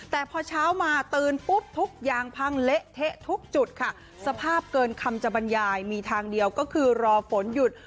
แต่พอเช้ามาตื่นปุ๊บทุกอย่างพังเละเทะทุกจุดค่ะสภาพเกินคำจะบรรยายมีทางเดียวก็คือรอฝนหยุด